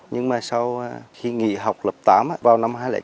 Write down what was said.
nhưng mà sau khi nghỉ học lập tám vào năm hai nghìn chín